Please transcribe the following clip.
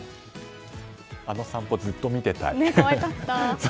あの散歩、ずっと見ていたい。